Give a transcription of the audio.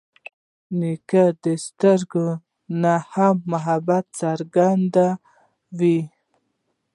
نیکه د سترګو نه هم محبت څرګندوي.